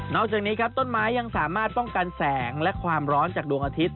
จากนี้ครับต้นไม้ยังสามารถป้องกันแสงและความร้อนจากดวงอาทิตย